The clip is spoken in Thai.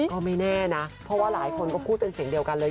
ก็ไม่แน่นะเพราะว่าหลายคนก็พูดเป็นเสียงเดียวกันเลย